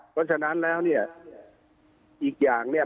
เพราะฉะนั้นแล้วเนี่ยอีกอย่างเนี่ย